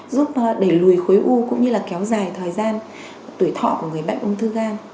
giúp đẩy lùi khối u cũng như là kéo dài thời gian tuổi thọ của người bệnh ung thư gan